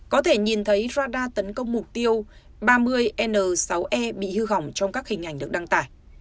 có thể nhìn thấy radar tấn công mục tiêu ba mươi n sáu e bị hư hỏng trong các hình ảnh được đăng tải